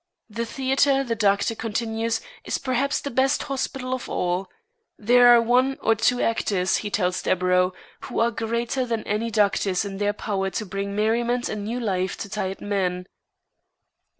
The theater, the doctor continues, is perhaps the best hospital of all. There are one or two actors, he tells Deburau, who are greater than any doctors in their power to bring merriment and new life to tired men.